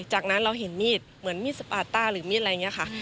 จากนั้นเราเห็นมีดเหมือนมีดสปาต้าหรือมีดอะไรอย่างนี้ค่ะ